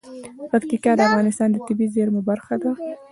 پکتیا د افغانستان د طبیعي زیرمو برخه ده.